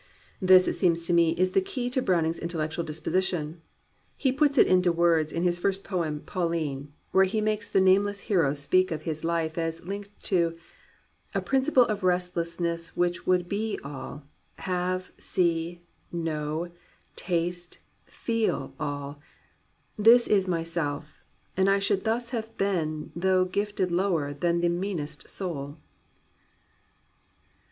This, it seems to me, is the key to Browning's intellectual disposition. He puts it into words in his first poem Pauline, where he makes the nameless hero speak of his life as linked to "a principle of restlessness Which would be all, have, see, know, taste, feel, all — This is myself; and I should thus have been Though gifted lower than the meanest soul."